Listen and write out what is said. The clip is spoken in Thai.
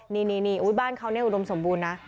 นี่บ้านเขาเนี่ยอุดมสมบูรณ์นะ